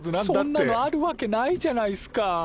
そんなのあるわけないじゃないっすか。